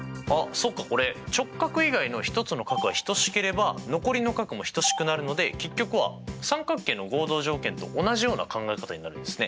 そっかこれ直角以外の１つの角が等しければ残りの角も等しくなるので結局は三角形の合同条件と同じような考え方になるんですね。